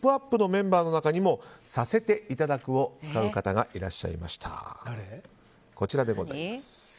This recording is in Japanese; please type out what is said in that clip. メンバーの中にも「させていただく」を使う方がいらっしゃいました。